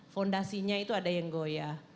fondasinya itu ada yang goya